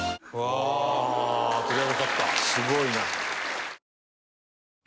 すごいな。